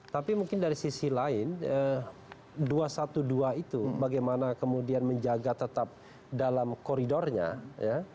tapi mungkin dari sisi lain dua ratus dua belas itu bagaimana kemudian menjaga tetap dalam koridornya ya